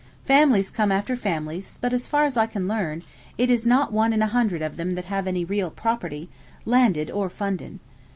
Families come after families, but, as far as I can learn, it is not one in a hundred of them that have any real property, landed or funded.